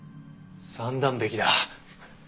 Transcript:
三段壁だ。